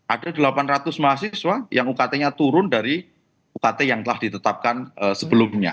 ada delapan ratus mahasiswa yang ukt nya turun dari ukt yang telah ditetapkan sebelumnya